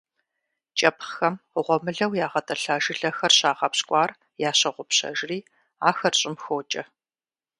КIэпхъхэм гъуэмылэу ягъэтIылъа жылэхэр щагъэпщкIуар ящогъупщэжри, ахэр щIым хокIэ.